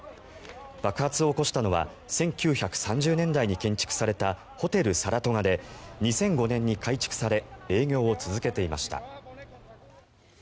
爆発を起こしたのは１９３０年代に建築されたホテル・サラトガで２００５年に改築され営業を続けていました。